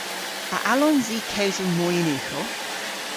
A allsons i kewsel moy yn ughel?